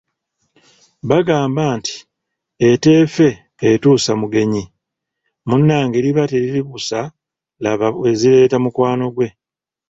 Bagamba nti eteefe etuusa mugenyi, munnange liba teriri busa laba bwe zireeta mukwano gwe.